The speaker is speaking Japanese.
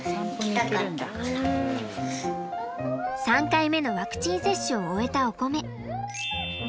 ３回目のワクチン接種を終えたおこめ。